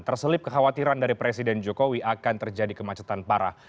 terselip kekhawatiran dari presiden jokowi akan terjadi kemacetan parah